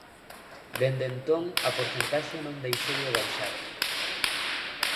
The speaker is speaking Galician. Dende entón a porcentaxe non deixou de baixar.